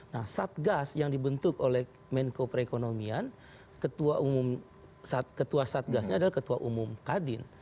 nah satgas yang dibentuk oleh menko perekonomian ketua satgasnya adalah ketua umum kadin